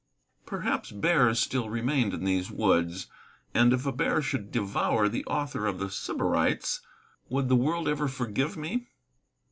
Perhaps bears still remained in these woods. And if a bear should devour the author of The Sybarites, would the world ever forgive me?